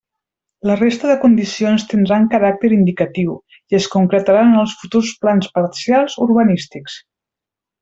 La resta de condicions tindran caràcter indicatiu i es concretaran en els futurs plans parcials urbanístics.